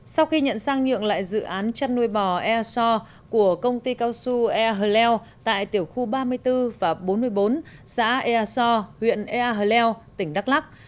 sau khi nhận sang nhượng lại dự án chăn nuôi bò e so của công ty cao su e hờ leo tại tiểu khu ba mươi bốn và bốn mươi bốn xã ea so huyện ea hờ leo tỉnh đắk lắc